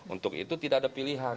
untuk itu tidak ada pilihan